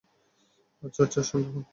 আচ্ছা, আচ্ছা, শান্ত হও।